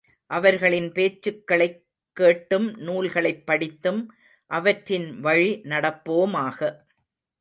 அவர்களின் பேச்சுக்களைக் கேட்டும் நூல்களைப் படித்தும் அவற்றின் வழி நடப்போமாக!